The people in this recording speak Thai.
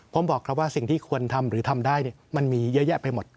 ผมบอกครับว่าสิ่งที่ควรทำหรือทำได้มันมีเยอะแยะไปหมด